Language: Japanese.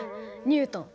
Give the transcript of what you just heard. ニュートン。